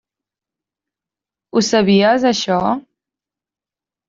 Ho sabies, això?